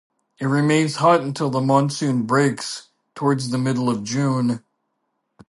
It remains hot until the monsoon breaks towards the middle of June.